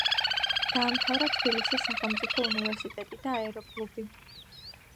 დაამთავრა თბილისის სახელმწიფო უნივერსიტეტი და აეროკლუბი.